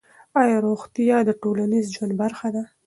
آیا روغتیا د ټولنیز ژوند برخه ده؟